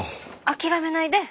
☎諦めないで。